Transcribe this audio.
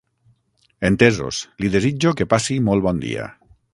Entesos, li desitjo que passi molt bon dia.